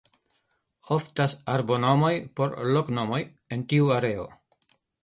Oftas arbonomoj por loknomoj en tiu areo.